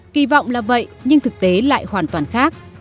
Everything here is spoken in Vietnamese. kỳ vọng là vậy nhưng thực tế lại hoàn toàn khác